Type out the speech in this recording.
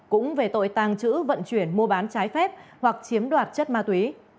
cũng về tội tàng trữ vận chuyển mua bán trái phép hoặc chiếm đoạt chất ma túy